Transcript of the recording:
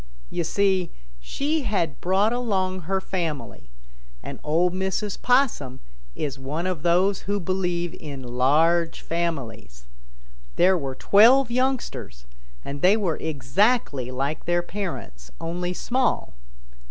You see, she had brought along her family, and Ol' Mrs. Possum is one of those who believe in large families. There were twelve youngsters, and they were exactly like their parents, only small.